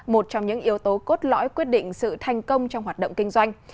một trong những yếu tố cốt lõi quyết định sự thành công trong hoạt động kinh doanh